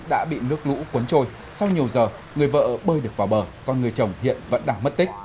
đã bị nước lũ cuốn trôi sau nhiều giờ người vợ bơi được vào bờ con người chồng hiện vẫn đang mất tích